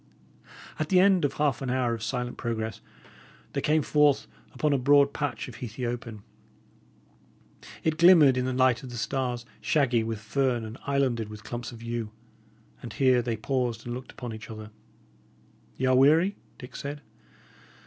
At the end of half an hour of silent progress they came forth upon a broad patch of heathy open. It glimmered in the light of the stars, shaggy with fern and islanded with clumps of yew. And here they paused and looked upon each other. "Y' are weary?" Dick said.